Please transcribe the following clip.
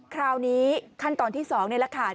คราวนี้ขั้นตอนที่๒นี่แหละค่ะ